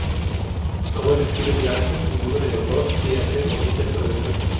Como describe Durance, ninguno de los dos quiere hacer oficial su relación.